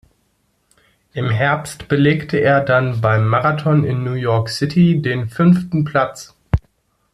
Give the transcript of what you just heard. Im Herbst belegte er dann beim Marathon in New York City den fünften Platz.